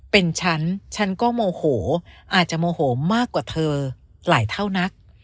เป็นฉันฉันก็โมโหอาจจะโมโหมากกว่าเธอหลายเท่านัก